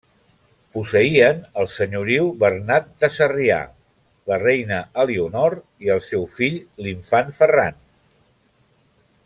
Posseïen el senyoriu Bernat de Sarrià, la reina Elionor i el seu fill l'infant Ferran.